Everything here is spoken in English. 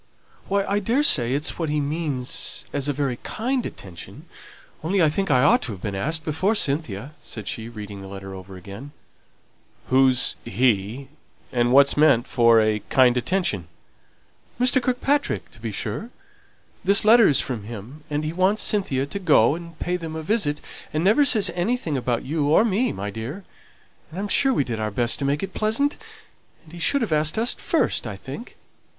"Why, I daresay it's what he means as a very kind attention, only I think I ought to have been asked before Cynthia," said she, reading the letter over again. "Who's he? and what's meant for a 'kind attention'?" "Mr. Kirkpatrick, to be sure. This letter is from him; and he wants Cynthia to go and pay them a visit, and never says anything about you or me, my dear. And I'm sure we did our best to make it pleasant; and he should have asked us first, I think."